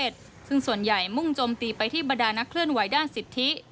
ซึ่งส่วนใหญ่มุ่งโจมตีไปที่บรรดานักเคลื่อนไหวด้านสิทธิ